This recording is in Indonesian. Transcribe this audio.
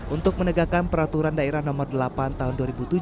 untuk menegakkan peraturan daerah nomor delapan tahun dua ribu tujuh